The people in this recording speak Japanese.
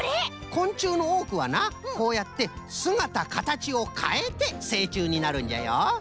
こんちゅうのおおくはなこうやってすがたかたちをかえてせいちゅうになるんじゃよ。